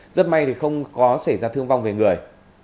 rất may không có xảy ra thương vong về người